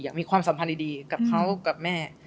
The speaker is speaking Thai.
มีความสัมพันธ์ดีกับเขากับแม่